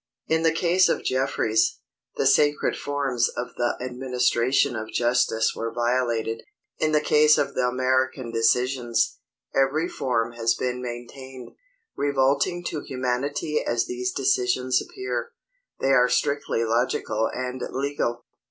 In the case of Jeffries, the sacred forms of the administration of justice were violated. In the case of the American decisions, every form has been maintained. Revolting to humanity as these decisions appear, they are strictly logical and legal.